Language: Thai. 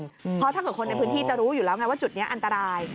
เพราะถ้าเกิดคนในพื้นที่จะรู้อยู่แล้วไงว่าจุดนี้อันตราย